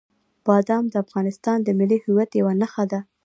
بادام د افغانستان د ملي هویت یوه نښه ده.